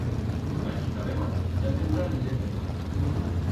D'aquí ta debant ya tendrán let de vaca.